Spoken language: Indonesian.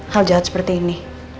hal jahat seperti ini